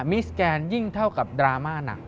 มิสแกนยิ่งเท่ากับดราม่าหนัก